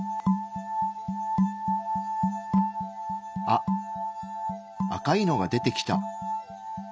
あ赤いのが出てきた。